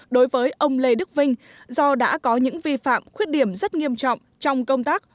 đối với ông lê đức vinh do đã có những vi phạm khuyết điểm rất nghiêm trọng trong công tác